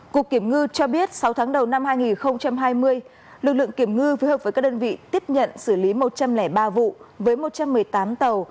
cục kiểm ngư cho biết sáu tháng đầu năm hai nghìn hai mươi lực lượng kiểm ngư phối hợp với các đơn vị tiếp nhận xử lý một trăm linh ba vụ với một trăm một mươi tám tàu